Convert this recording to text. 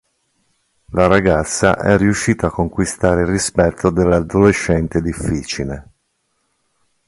La ragazza è riuscita a conquistare il rispetto dell '"adolescente difficile".